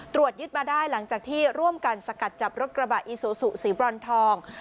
ตรวจยึดมาได้หลังจากที่ร่วมกันสกัดจับรถกระบะอีซูซูสีบรอนทอง